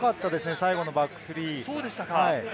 最後のバックスリー。